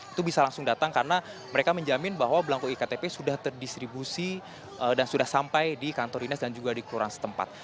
itu bisa langsung datang karena mereka menjamin bahwa belangko iktp sudah terdistribusi dan sudah sampai di kantor dinas dan juga di kelurahan setempat